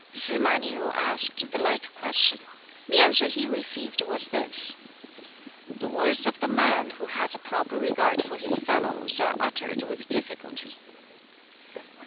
Sz ma Niu asked the like question. The answer he received was this: "The words of the man who has a proper regard for his fellows are uttered with difficulty."